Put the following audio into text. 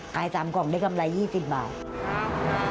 ขาย๓กล่องได้กำไร๒๐บาท